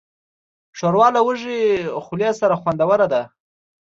ښوروا له وږې خولې سره خوندوره ده.